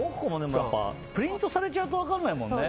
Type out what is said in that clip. プリントされちゃうと分からないもんね。